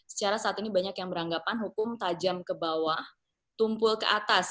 secara saat ini banyak yang beranggapan hukum tajam ke bawah tumpul ke atas